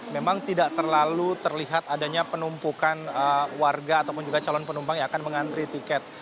memang tidak terlalu terlihat adanya penumpukan warga ataupun juga calon penumpang yang akan mengantri tiket